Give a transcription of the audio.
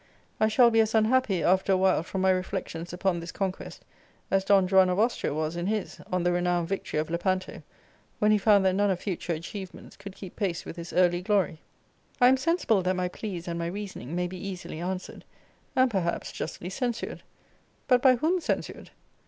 I shall be as unhappy, after a while, from my reflections upon this conquest, as Don Juan of Austria was in his, on the renowned victory of Lepanto, when he found that none of future achievements could keep pace with his early glory. I am sensible that my pleas and my reasoning may be easily answered, and perhaps justly censured; But by whom censured?